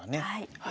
はい。